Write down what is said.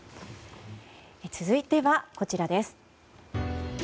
続いては、こちらです。